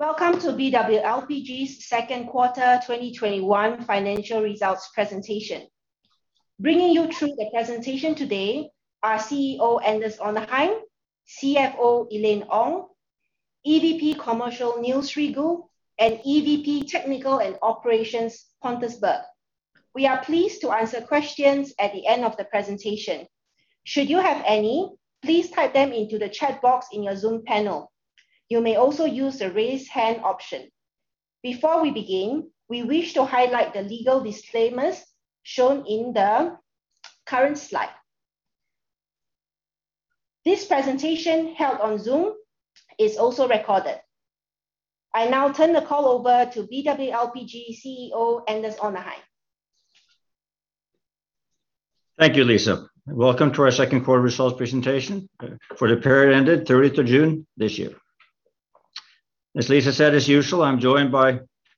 Welcome to BW LPG's second quarter 2021 financial results presentation. Bringing you through the presentation today are CEO Anders Onarheim, CFO Elaine Ong, EVP Commercial Niels Rigault, and EVP Technical and Operations Pontus Berg. We are pleased to answer questions at the end of the presentation. Should you have any, please type them into the chat box in your Zoom panel. You may also use the Raise Hand option. Before we begin, we wish to highlight the legal disclaimers shown in the current slide. This presentation, held on Zoom, is also recorded. I now turn the call over to BW LPG CEO Anders Onarheim. Thank you, Lisa. Welcome to our second quarter results presentation for the period ended 30th of June this year. As Lisa said, as usual, I'm joined by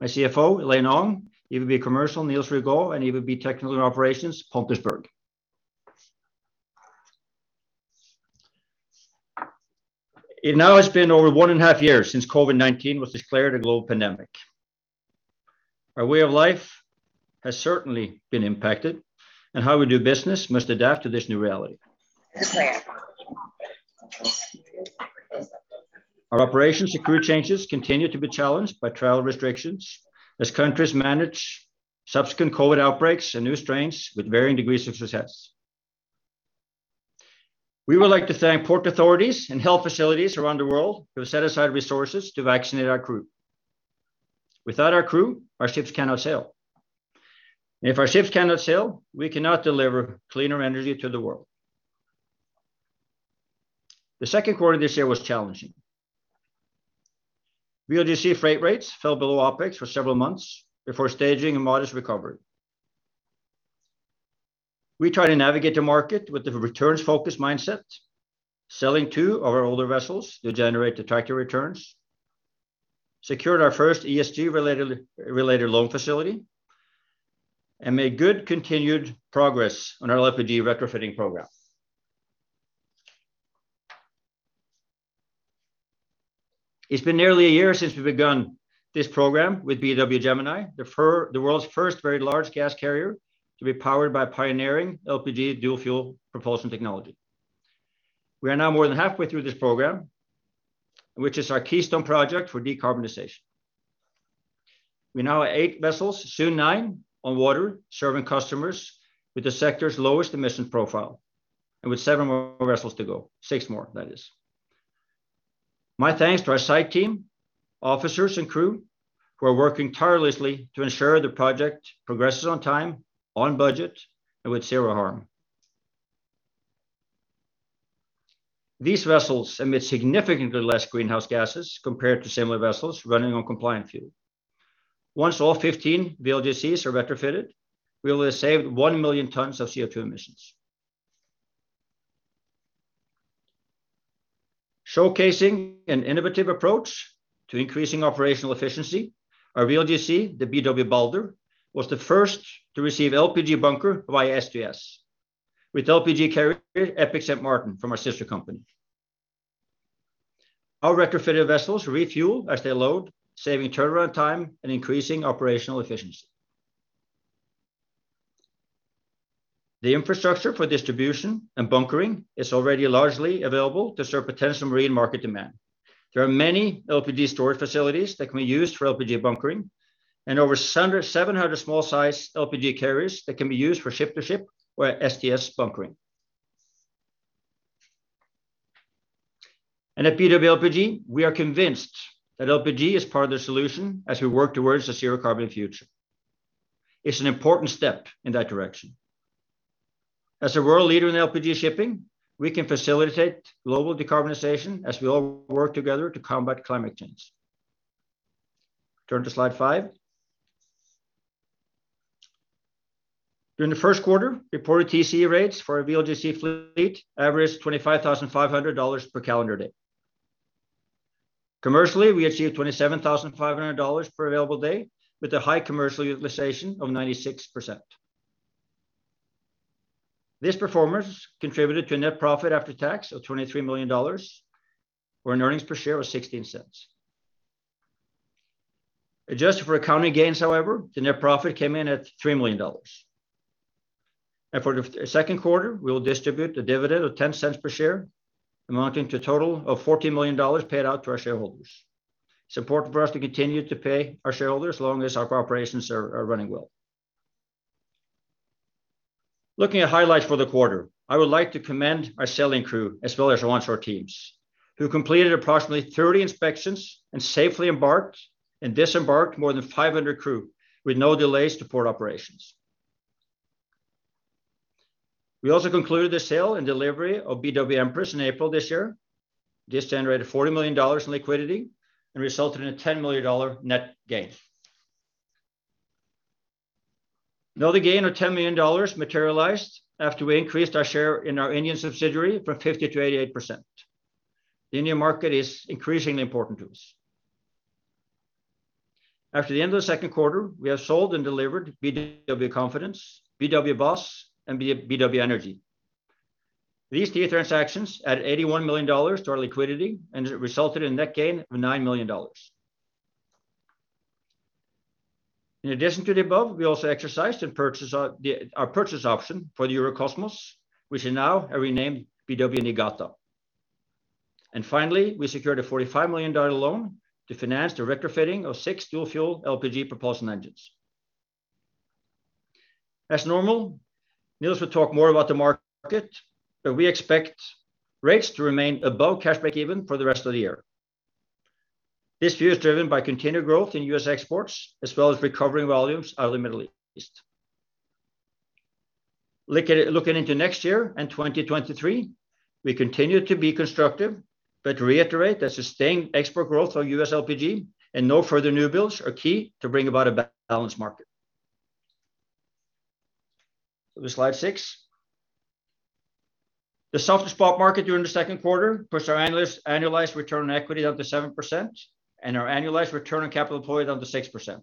my CFO, Elaine Ong, EVP Commercial, Niels Rigault, and EVP Technical and Operations, Pontus Berg. It now has been over one and a half years since COVID-19 was declared a global pandemic. Our way of life has certainly been impacted. How we do business must adapt to this new reality. Our operations and crew changes continue to be challenged by travel restrictions as countries manage subsequent COVID outbreaks and new strains with varying degrees of success. We would like to thank port authorities and health facilities around the world who have set aside resources to vaccinate our crew. Without our crew, our ships cannot sail. If our ships cannot sail, we cannot deliver cleaner energy to the world. The second quarter this year was challenging. VLGC freight rates fell below OpEx for several months before staging a modest recovery. We try to navigate the market with a returns-focused mindset, selling two of our older vessels to generate attractive returns, secured our first ESG-related loan facility, and made good continued progress on our LPG retrofitting program. It's been nearly a year since we've begun this program with BW Gemini, the world's first very large gas carrier to be powered by pioneering LPG dual-fuel propulsion technology. We are now more than halfway through this program, which is our keystone project for decarbonization. We now have eight vessels, soon nine, on water serving customers with the sector's lowest emission profile and with seven more vessels to go. Six more, that is. My thanks to our site team, officers, and crew who are working tirelessly to ensure the project progresses on time, on budget, and with zero harm. These vessels emit significantly less greenhouse gases compared to similar vessels running on compliant fuel. Once all 15 VLGCs are retrofitted, we will have saved 1 million tons of CO2 emissions. Showcasing an innovative approach to increasing operational efficiency, our VLGC, the BW Balder, was the first to receive LPG bunker via STS with LPG carrier Epic St. Martin from our sister company. Our retrofitted vessels refuel as they load, saving turnaround time and increasing operational efficiency. The infrastructure for distribution and bunkering is already largely available to serve potential marine market demand. There are many LPG storage facilities that can be used for LPG bunkering and over 700 small size LPG carriers that can be used for ship-to-ship or STS bunkering. At BW LPG, we are convinced that LPG is part of the solution as we work towards a zero carbon future. It's an important step in that direction. As a world leader in LPG shipping, we can facilitate global decarbonization as we all work together to combat climate change. Turn to slide five. During the first quarter, reported TCE rates for our VLGC fleet averaged $25,500 per calendar day. Commercially, we achieved $27,500 per available day with a high commercial utilization of 96%. This performance contributed to a net profit after tax of $23 million, where an earnings per share was $0.16. Adjusted for accounting gains, however, the net profit came in at $3 million. For the second quarter, we will distribute a dividend of $0.10 per share, amounting to a total of $14 million paid out to our shareholders. It's important for us to continue to pay our shareholders as long as our operations are running well. Looking at highlights for the quarter, I would like to commend our sailing crew as well as our onshore teams who completed approximately 30 inspections and safely embarked and disembarked more than 500 crew with no delays to port operations. We also concluded the sale and delivery of BW Empress in April this year. This generated $40 million in liquidity and resulted in a $10 million net gain. Another gain of $10 million materialized after we increased our share in our Indian subsidiary from 50% to 88%. The Indian market is increasingly important to us. After the end of the second quarter, we have sold and delivered BW Confidence, BW Boss, and BW Energy. These three transactions added $81 million to our liquidity and resulted in a net gain of $9 million. In addition to the above, we also exercised our purchase option for the Eurocosmos, which is now renamed BW Niigata. Finally, we secured a $45 million loan to finance the retrofitting of six dual-fuel LPG propulsion engines. As normal, Niels will talk more about the market, we expect rates to remain above cash break-even for the rest of the year. This view is driven by continued growth in U.S. exports, as well as recovering volumes out of the Middle East. Looking into next year, in 2023, we continue to be constructive reiterate that sustained export growth of U.S. LPG and no further new builds are key to bring about a balanced market. Slide six. The softer spot market during the second quarter pushed our annualized return on equity down to 7% and our annualized return on capital employed down to 6%.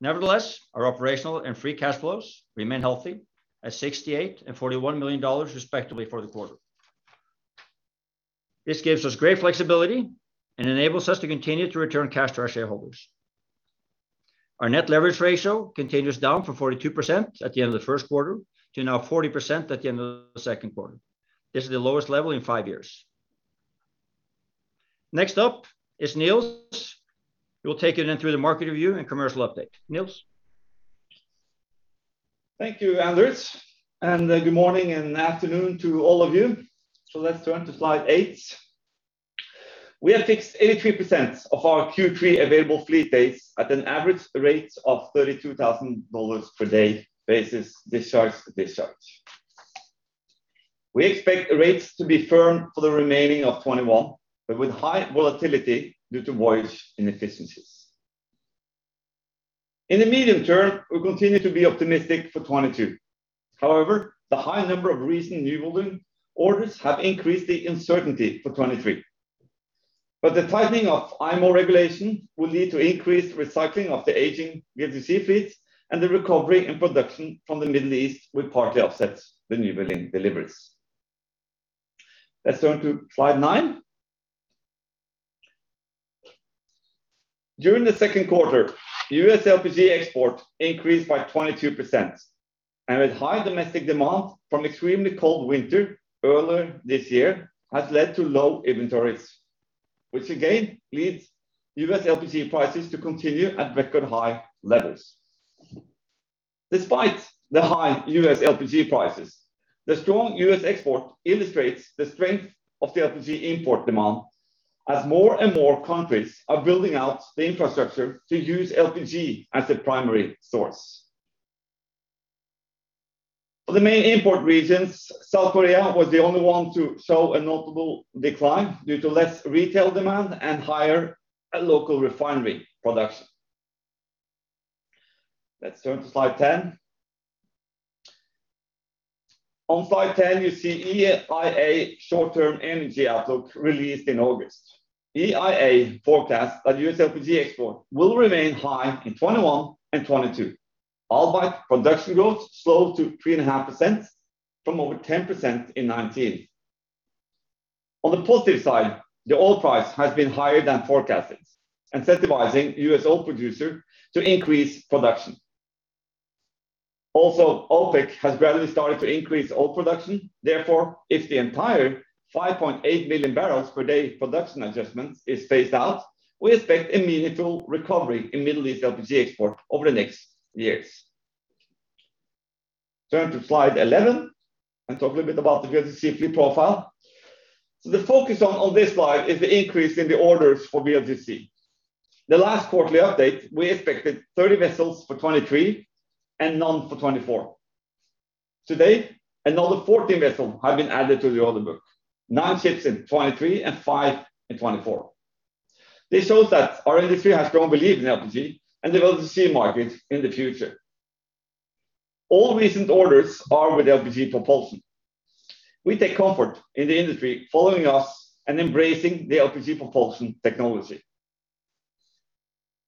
Nevertheless, our operational and free cash flows remain healthy at $68 million and $41 million respectively for the quarter. This gives us great flexibility and enables us to continue to return cash to our shareholders. Our net leverage ratio continues down from 42% at the end of the first quarter to now 40% at the end of the second quarter. This is the lowest level in five years. Next up is Niels, who will take you through the market review and commercial update. Niels? Thank you, Anders, and good morning and afternoon to all of you. Let's turn to slide eight. We have fixed 83% of our Q3 available fleet days at an average rate of $32,000 per day basis, discharge to discharge. We expect rates to be firm for the remaining of 2021, but with high volatility due to voyage inefficiencies. In the medium term, we continue to be optimistic for 2022. However, the high number of recent newbuilding orders have increased the uncertainty for 2023. The tightening of IMO regulation will lead to increased recycling of the aging VLGC fleets, and the recovery in production from the Middle East will partly offset the newbuilding deliveries. Let's turn to slide nine. During Q2, U.S. LPG export increased by 22%, and with high domestic demand from extremely cold winter earlier this year has led to low inventories, which again leads U.S. LPG prices to continue at record high levels. Despite the high U.S. LPG prices, the strong U.S. export illustrates the strength of the LPG import demand as more and more countries are building out the infrastructure to use LPG as their primary source. Of the main import regions, South Korea was the only one to show a notable decline due to less retail demand and higher local refinery production. Let's turn to slide 10. On slide 10, you see EIA Short-Term Energy Outlook released in August. EIA forecasts that U.S. LPG export will remain high in 2021 and 2022, albeit production growth slowed to 3.5% from over 10% in 2019. On the positive side, the oil price has been higher than forecasted, incentivizing U.S. oil producers to increase production. OPEC has gradually started to increase oil production. If the entire 5.8 million barrels per day production adjustment is phased out, we expect a meaningful recovery in Middle East LPG export over the next years. Turn to slide 11 and talk a little bit about the VLGC fleet profile. The focus on this slide is the increase in the orders for VLGC. The last quarterly update, we expected 30 vessels for 2023 and none for 2024. Today, another 14 vessels have been added to the order book, nine ships in 2023 and five in 2024. This shows that our industry has strong belief in LPG and the VLGC market in the future. All recent orders are with LPG propulsion. We take comfort in the industry following us and embracing the LPG propulsion technology.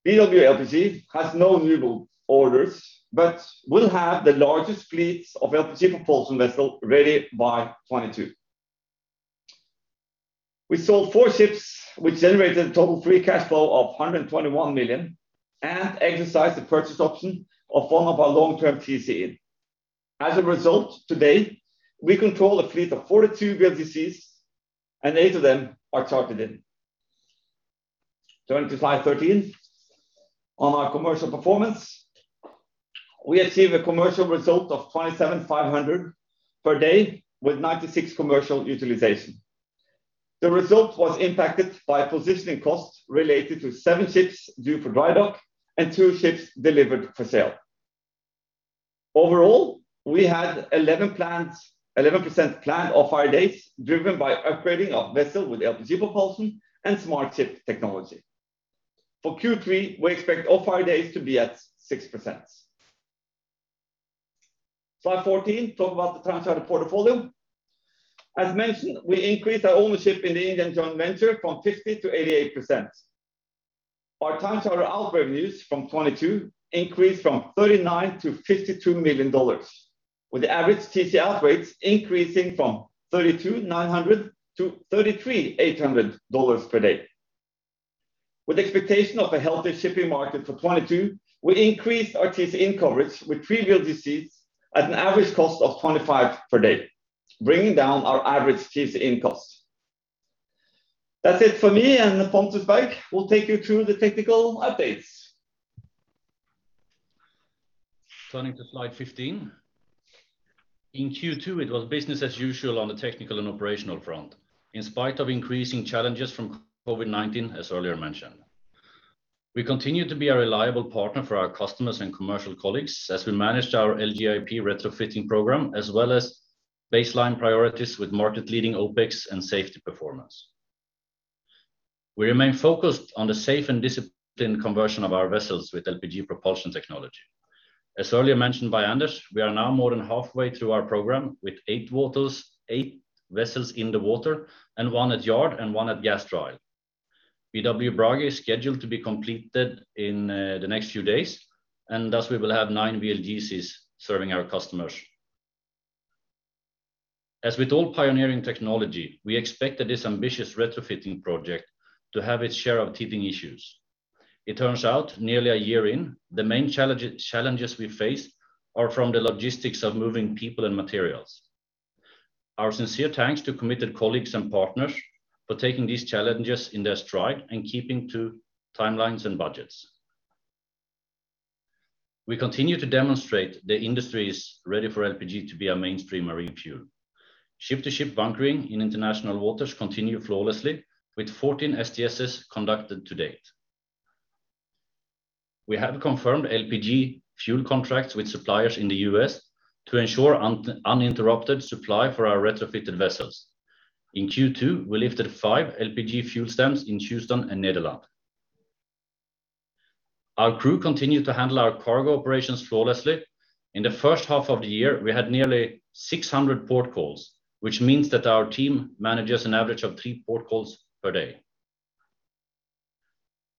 BW LPG has no newbuild orders but will have the largest fleet of LPG propulsion vessels ready by 2022. We sold four ships, which generated a total free cash flow of $121 million, and exercised the purchase option of one of our long-term TCE. As a result, today, we control a fleet of 42 VLGCs and eight of them are chartered in. Turn to slide 13. On our commercial performance, we achieved a commercial result of $27,500 per day with 96 commercial utilization. The result was impacted by positioning costs related to seven ships due for dry dock and two ships delivered for sale. Overall, we had 11% planned off-hire days, driven by upgrading of vessels with LPG propulsion and smart ship technology. For Q3, we expect off-hire days to be at 6%. Slide 14, talk about the time charter portfolio. As mentioned, we increased our ownership in the Indian joint venture from 50% to 88%. Our time charter out revenues from 2022 increased from $39 million-$52 million, with average TCE out rates increasing from $32,900-$33,800 per day. With expectation of a healthy shipping market for 2022, we increased our TC-in coverage with three VLGCs at an average cost of $25 per day, bringing down our average TC in cost. That's it for me and Pontus Berg will take you through the technical updates. Turning to slide 15. In Q2, it was business as usual on the technical and operational front, in spite of increasing challenges from COVID-19, as earlier mentioned. We continue to be a reliable partner for our customers and commercial colleagues as we managed our LGIP retrofitting program, as well as baseline priorities with market leading OpEx and safety performance. We remain focused on the safe and disciplined conversion of our vessels with LPG propulsion technology. As earlier mentioned by Anders, we are now more than halfway through our program, with eight vessels in the water and one at yard and one at gas trial. BW Brage is scheduled to be completed in the next few days, and thus we will have nine VLGCs serving our customers. As with all pioneering technology, we expected this ambitious retrofitting project to have its share of teething issues. It turns out, nearly a year in, the main challenges we face are from the logistics of moving people and materials. Our sincere thanks to committed colleagues and partners for taking these challenges in their stride and keeping to timelines and budgets. We continue to demonstrate the industry is ready for LPG to be a mainstream marine fuel. Ship-to-ship bunkering in international waters continue flawlessly with 14 STS conducted to date. We have confirmed LPG fuel contracts with suppliers in the U.S. to ensure uninterrupted supply for our retrofitted vessels. In Q2, we lifted five LPG fuel stems in Houston and Nederland. Our crew continued to handle our cargo operations flawlessly. In the first half of the year, we had nearly 600 port calls, which means that our team manages an average of three port calls per day.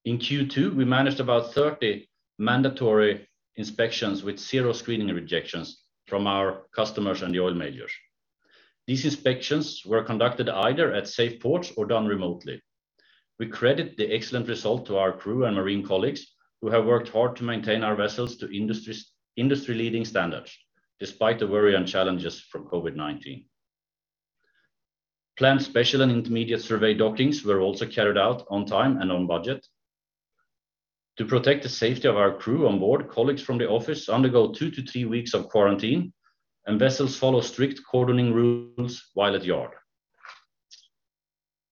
In Q2, we managed about 30 mandatory inspections with zero screening rejections from our customers and the oil majors. These inspections were conducted either at safe ports or done remotely. We credit the excellent result to our crew and marine colleagues who have worked hard to maintain our vessels to industry leading standards, despite the worry and challenges from COVID-19. Planned special and intermediate survey dockings were also carried out on time and on budget. To protect the safety of our crew on board, colleagues from the office undergo two to three weeks of quarantine, and vessels follow strict quarantining rules while at yard.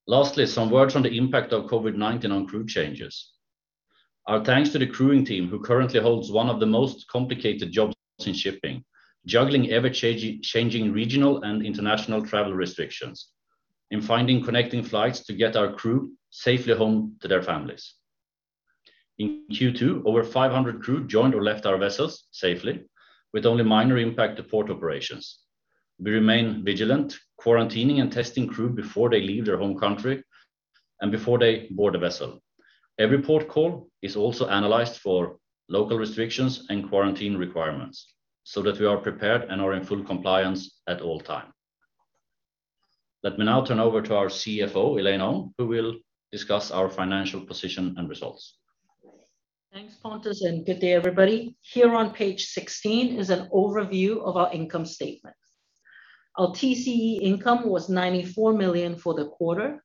Lastly, some words on the impact of COVID-19 on crew changes. Our thanks to the crewing team, who currently holds one of the most complicated jobs in shipping, juggling ever-changing regional and international travel restrictions in finding connecting flights to get our crew safely home to their families. In Q2, over 500 crew joined or left our vessels safely with only minor impact to port operations. We remain vigilant, quarantining and testing crew before they leave their home country and before they board a vessel. Every port call is also analyzed for local restrictions and quarantine requirements so that we are prepared and are in full compliance at all time. Let me now turn over to our CFO, Elaine Ong, who will discuss our financial position and results. Thanks, Pontus, and good day everybody. Here on page 16 is an overview of our income statement. Our TCE income was $94 million for the quarter.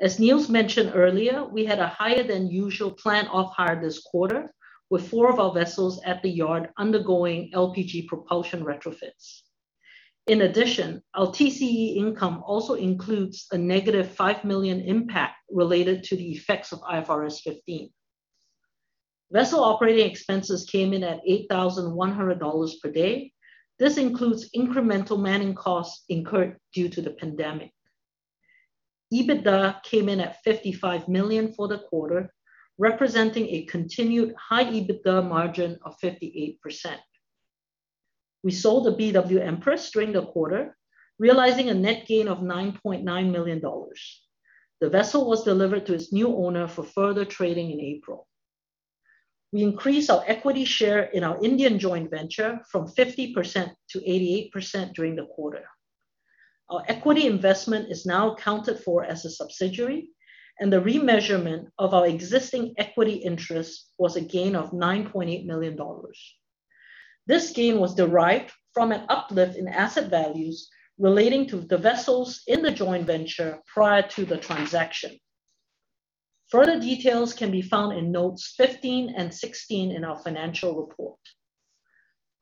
As Niels mentioned earlier, we had a higher than usual planned off-hire this quarter with four of our vessels at the yard undergoing LPG propulsion retrofits. In addition, our TCE income also includes a $-5 million impact related to the effects of IFRS 15. Vessel operating expenses came in at $8,100 per day. This includes incremental manning costs incurred due to the pandemic. EBITDA came in at $55 million for the quarter, representing a continued high EBITDA margin of 58%. We sold the BW Empress during the quarter, realizing a net gain of $9.9 million. The vessel was delivered to its new owner for further trading in April. We increased our equity share in our Indian joint venture from 50% to 88% during the quarter. Our equity investment is now accounted for as a subsidiary, and the remeasurement of our existing equity interest was a gain of $9.8 million. This gain was derived from an uplift in asset values relating to the vessels in the joint venture prior to the transaction. Further details can be found in notes 15 and 16 in our financial report.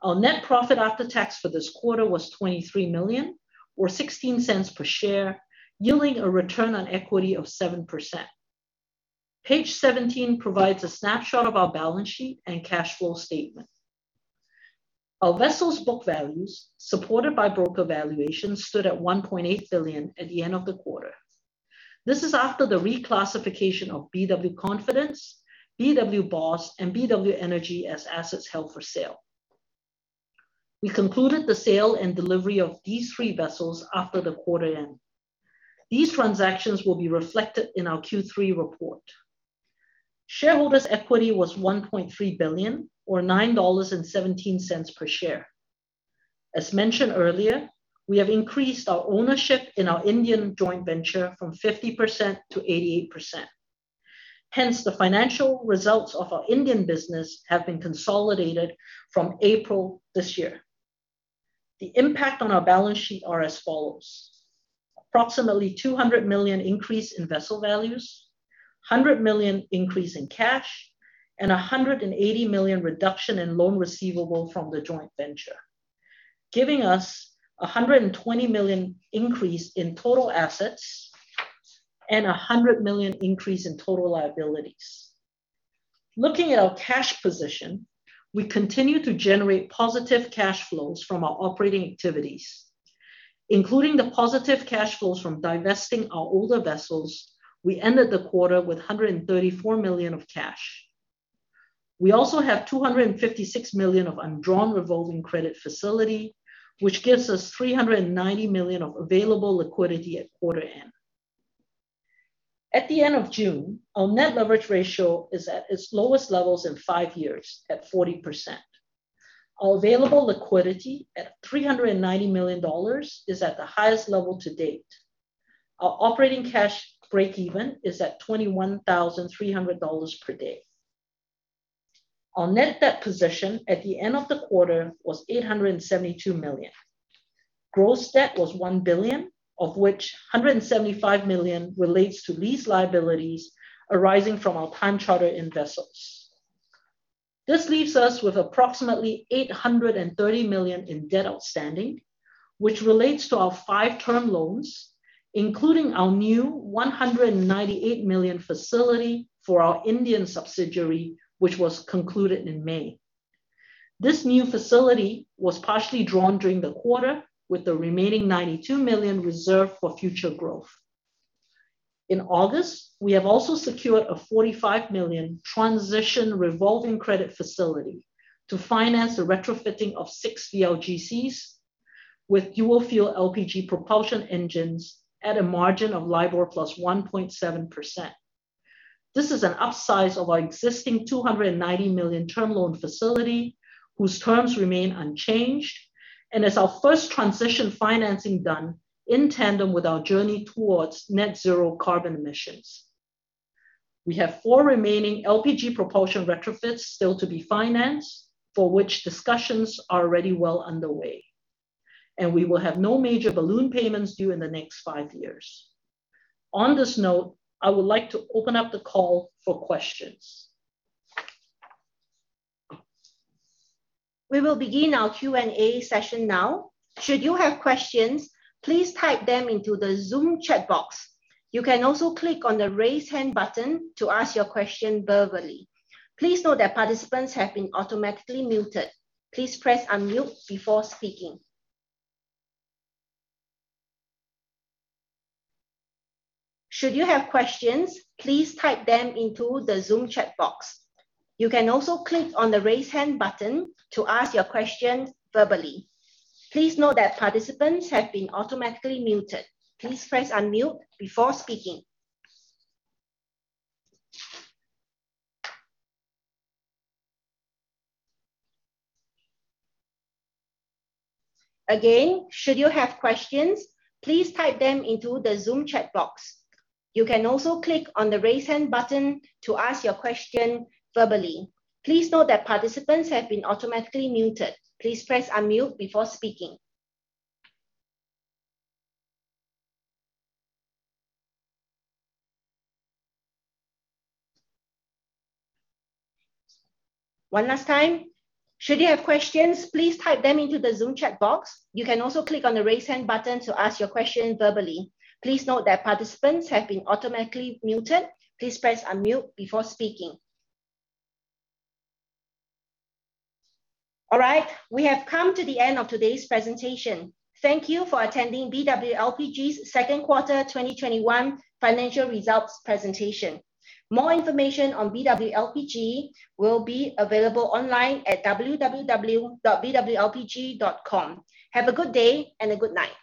Our net profit after tax for this quarter was $23 million, or $0.16 per share, yielding a return on equity of 7%. Page 17 provides a snapshot of our balance sheet and cash flow statement. Our vessels' book values, supported by broker valuations, stood at $1.8 billion at the end of the quarter. This is after the reclassification of BW Confidence, BW Boss, and BW Energy as assets held for sale. We concluded the sale and delivery of these three vessels after the quarter end. These transactions will be reflected in our Q3 report. Shareholders' equity was $1.3 billion, or $9.17 per share. As mentioned earlier, we have increased our ownership in our Indian joint venture from 50% to 88%. Hence, the financial results of our Indian business have been consolidated from April this year. The impact on our balance sheet are as follows. Approximately $200 million increase in vessel values, $100 million increase in cash, and a $180 million reduction in loan receivable from the joint venture, giving us $120 million increase in total assets and $100 million increase in total liabilities. Looking at our cash position, we continue to generate positive cash flows from our operating activities. Including the positive cash flows from divesting our older vessels, we ended the quarter with $134 million of cash. We also have $256 million of undrawn revolving credit facility, which gives us $390 million of available liquidity at quarter end. At the end of June, our net leverage ratio is at its lowest levels in five years, at 40%. Our available liquidity at $390 million is at the highest level to date. Our operating cash breakeven is at $21,300 per day. Our net debt position at the end of the quarter was $872 million. Gross debt was $1 billion, of which $175 million relates to lease liabilities arising from our time charter in vessels. This leaves us with approximately $830 million in debt outstanding, which relates to our five term loans, including our new $198 million facility for our Indian subsidiary, which was concluded in May. This new facility was partially drawn during the quarter, with the remaining $92 million reserved for future growth. In August, we have also secured a $45 million transition revolving credit facility to finance the retrofitting of six VLGCs with dual fuel LPG propulsion engines at a margin of LIBOR +1.7%. This is an upsize of our existing $290 million term loan facility, whose terms remain unchanged, and is our first transition financing done in tandem with our journey towards net zero carbon emissions. We have four remaining LPG propulsion retrofits still to be financed, for which discussions are already well underway, and we will have no major balloon payments due in the next five years. On this note, I would like to open up the call for questions. We will begin our Q and A session now. Should you have questions, please type them into the Zoom chat box. You can also click on the Raise Hand button to ask your question verbally. Please note that participants have been automatically muted. Please press Unmute before speaking. Should you have questions, please type them into the Zoom chat box. You can also click on the Raise Hand button to ask your question verbally. Please note that participants have been automatically muted. Please press Unmute before speaking. Again, should you have questions, please type them into the Zoom chat box. You can also click on the Raise Hand button to ask your question verbally. Please note that participants have been automatically muted. Please press Unmute before speaking. One last time, Should you have questions, please type them into the Zoom chat box. You can also click on the Raise Hand button to ask your question verbally. Please note that participants have been automatically muted. Please press Unmute before speaking. All right. We have come to the end of today's presentation. Thank you for attending BW LPG's second quarter 2021 financial results presentation. More information on BW LPG will be available online at www.bwlpg.com. Have a good day and a good night.